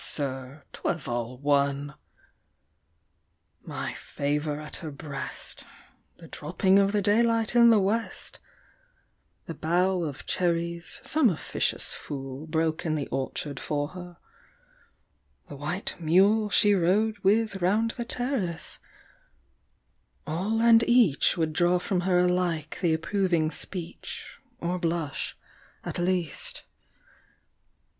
Sir, 'twas all one! My favour at her breast, The dropping of the daylight in the West, The bough of cherries some officious fool Broke in the orchard for her, the white mule She rode with round the terrace all and each Would draw from her alike the approving speech, 30 Or blush, at least.